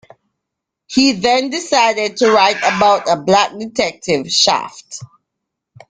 He then decided to write about a black detective, "Shaft".